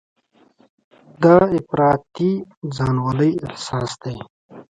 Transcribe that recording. دا افراطي ځانولۍ احساس دی.